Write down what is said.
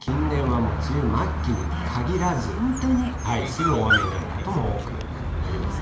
ここ近年は梅雨末期に限らず、すぐ大雨になることも多くなりますね。